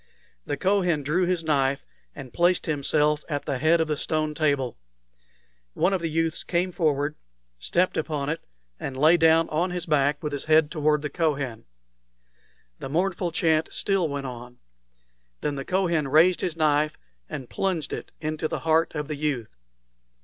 The Kohen drew his knife, and placed himself at the head of the stone table. One of the youths came forward, stepped upon it, and lay down on his back with his head toward the Kohen. The mournful chant still went on. Then the Kohen raised his knife and plunged it into the heart of the youth.